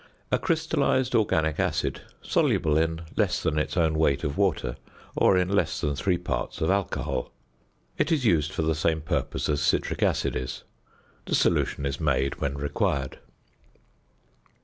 A crystallised organic acid, soluble in less than its own weight of water, or in less than three parts of alcohol. It is used for the same purposes as citric acid is. The solution is made when required.